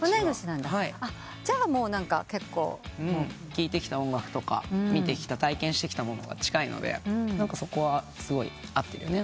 聴いてきた音楽とか見てきた体験してきたものは近いのでそこはすごい合ってるよね。